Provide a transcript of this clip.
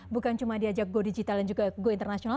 bukan cuma diajak go digital dan juga go internasional